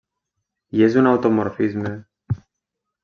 I és un automorfisme.